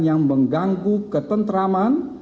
yang mengganggu ketentraman